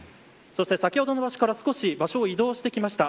そして先ほどの場所から少し場所を移動してきました。